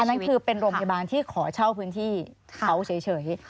นั่นคือเป็นโรงพยาบาลที่ขอเช่าพื้นที่เขาเฉย